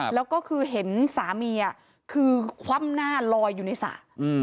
แล้วก็คือเห็นสามีคือคว่ำหน้าลอยอยู่ในสระ